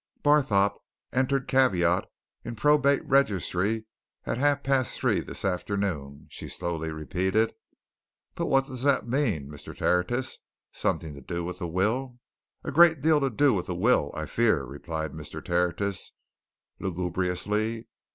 "'Barthorpe entered caveat in Probate Registry at half past three this afternoon,'" she slowly repeated. "But what does that mean, Mr. Tertius? Something to do with the will?" "A great deal to do with the will, I fear!" replied Mr. Tertius, lugubriously.